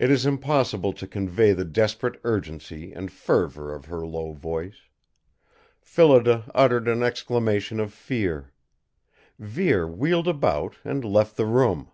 It is impossible to convey the desperate urgency and fervor of her low voice. Phillida uttered an exclamation of fear. Vere wheeled about and left the room.